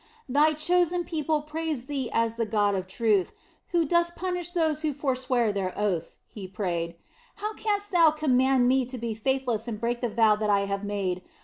"Thy chosen people praise Thee as the God of Truth, Who dost punish those who forswear their oaths," he prayed. "How canst Thou command me to be faithless and break the vow that I have made.